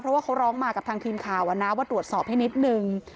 เพราะว่าเขาร้องมากับทางทีมข่าวนะว่าตรวจสอบให้นิดนึง